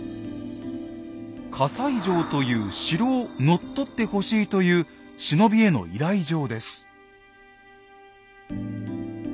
「西城という城を乗っ取ってほしい」という忍びへの依頼状です。